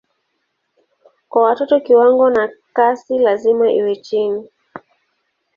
Kwa watoto kiwango na kasi lazima iwe chini.